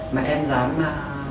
mà em dám mà